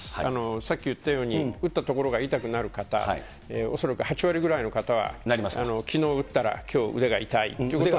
さっき言ったように、打った所が痛くなる方、恐らく８割ぐらいの方は、きのう打ったら、きょう腕が痛いっていうことは。